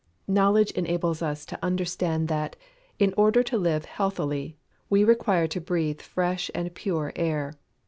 _ Knowledge enables us to understand that, in order to live healthily, we require to breathe fresh and pure air.